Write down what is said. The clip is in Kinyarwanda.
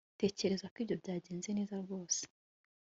ntekereza ko ibyo byagenze neza rwose